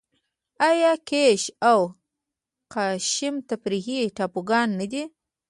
آیا کیش او قشم تفریحي ټاپوګان نه دي؟